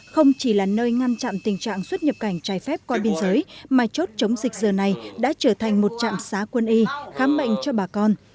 đây là nơi ngăn chặn tình trạng xuất nhập cảnh trải phép qua biên giới mà chốt chống dịch giờ này đã trở thành một trạng xá quân y khám bệnh cho bà con